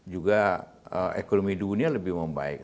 juga ekonomi dunia lebih membaik